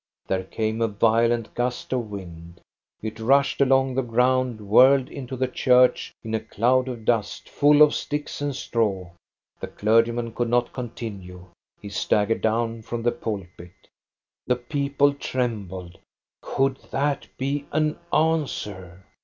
There came a violent gust of wind. It rushed along the ground, whirled into the church, in a cloud of dust, full of sticks and straw. The clergyman could not continue; he staggered down from the pulpit The people trembled. Could that be an answer?